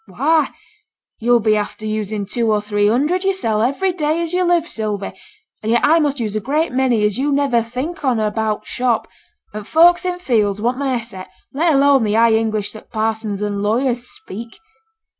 'Why! you'll be after using two or three hundred yoursel' every day as you live, Sylvie; and yet I must use a great many as you never think on about t' shop; and t' folks in t' fields want their set, let alone the high English that parsons and lawyers speak.'